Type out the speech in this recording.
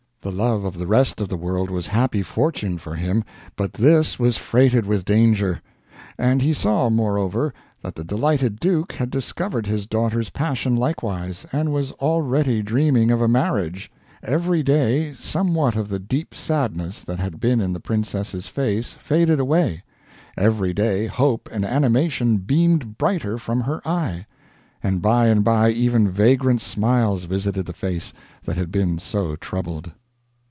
The love of the rest of the world was happy fortune for him, but this was freighted with danger! And he saw, moreover, that the delighted duke had discovered his daughter's passion likewise, and was already dreaming of a marriage. Every day somewhat of the deep sadness that had been in the princess's face faded away; every day hope and animation beamed brighter from her eye; and by and by even vagrant smiles visited the face that had been so troubled.